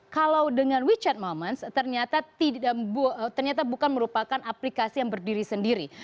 kalau dengan wechat moments ternyata bukan merupakan aplikasi yang berdiri sendiri